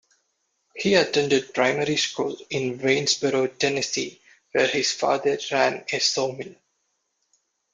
He attended primary school in Waynesboro, Tennessee where his father ran a sawmill.